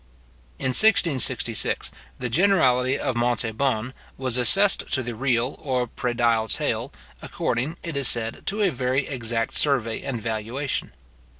In 1666, the generality of Montauban was assessed to the real or predial taille, according, it is said, to a very exact survey and valuation.